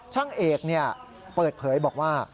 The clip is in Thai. ช่างเอกเปิดเผยบอกว่า